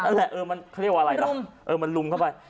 นั่นแหละเออมันเค้าเรียกว่าอะไรเออมันรุมเข้าไป